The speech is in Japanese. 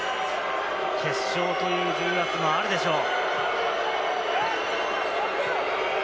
決勝という重圧もあるでしょう。